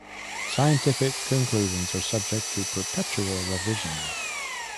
Scientific conclusions are subject to perpetual revision.